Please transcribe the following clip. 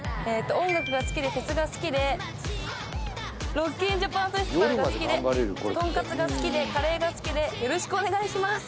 音楽が好きでフェスが好きでロック・イン・ジャパン・フェスティバルが好きでとんかつが好きでカレーが好きでよろしくお願いします